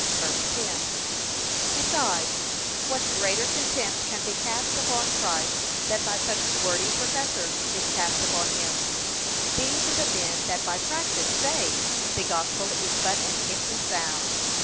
(vs. 10) Besides, what greater contempt can be cast upon Christ than by such wordy professors is cast upon him? These are the men that by practice say, the gospel is but an empty sound.